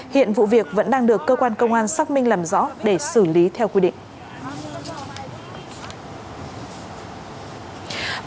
hiện vụ việc vẫn đang được cơ quan công an xác minh làm rõ để xử lý theo quy định